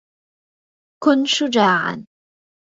كن شجاعاً.